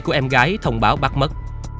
của em gái thông báo bắt mất